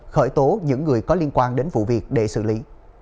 khởi tố những người có liên quan đến vụ việc để xử lý